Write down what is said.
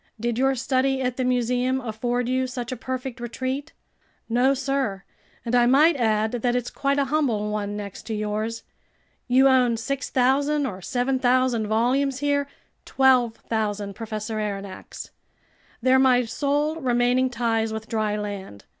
"Did your study at the museum afford you such a perfect retreat?" "No, sir, and I might add that it's quite a humble one next to yours. You own 6,000 or 7,000 volumes here ..." "12,000, Professor Aronnax. They're my sole remaining ties with dry land.